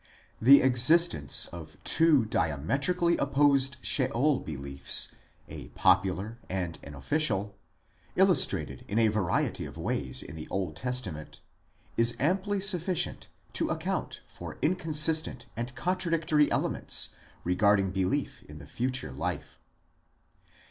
The existence of two diametrically opposed Sheol beliefs, a popular and an official, illustrated in a variety of ways in the Old Testament, is amply sufficient to account for in consistent and contradictory elements regarding belief in the future life.